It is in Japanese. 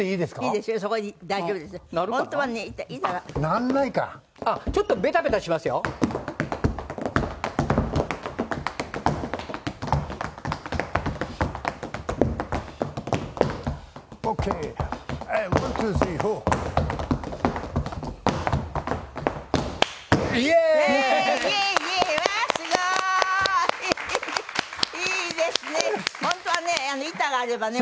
いいですね！